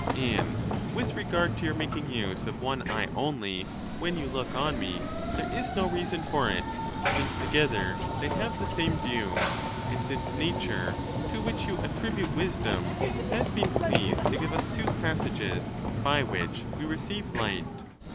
And with regard to your making use of one eye only when you look on me, there is no reason for it, since together they have the same view; and since nature, to which you attribute wisdom, has been pleased to give us two passages by which we receive light.